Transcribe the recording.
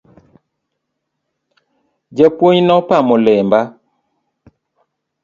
Ja puonj no pamo lemba.